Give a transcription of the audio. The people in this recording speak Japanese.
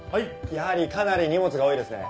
やはりかなり荷物が多いですね。